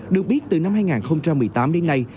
được biết từ năm hai nghìn một mươi tám đến nay